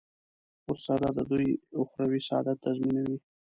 ورسره د دوی اخروي سعادت تضمینوي.